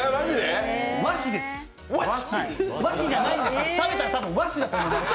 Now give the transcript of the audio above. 和紙です、食べたら多分和紙だと思います。